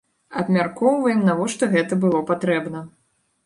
Абмяркоўваем, навошта гэта было патрэбна.